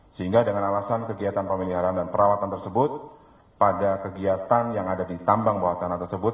sehingga dengan alasan kegiatan pemeliharaan dan perawatan tersebut pada kegiatan yang ada di tambang bawah tanah tersebut